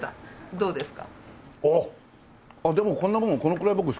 どうですか？